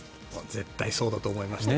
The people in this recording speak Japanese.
絶対そうだと思いました。